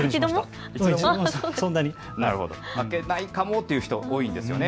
開けないかもという人、多いんですよね。